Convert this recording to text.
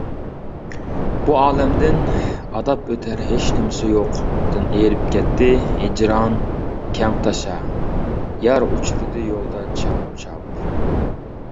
(«بۇ ئالەمدىن ئاداپ ئۆتەر ھېچنېمىسى يوق»تىن) ئېرىپ كەتتى ھىجران كەڭتاشا، يار ئۇچرىدى يولدا چاپمۇچاپ.